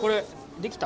できた？